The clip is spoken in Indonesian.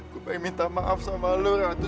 gue pengen minta maaf sama lu ratu